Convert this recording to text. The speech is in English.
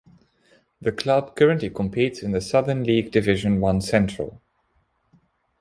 The club currently competes in the Southern League Division One Central.